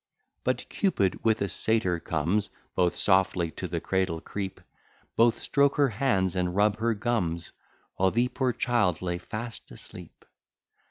But Cupid with a Satyr comes; Both softly to the cradle creep; Both stroke her hands, and rub her gums, While the poor child lay fast asleep.